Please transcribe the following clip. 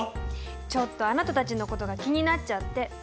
ちょっとあなたたちのことが気になっちゃって。